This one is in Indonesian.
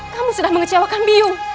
kamu sudah mengecewakan biung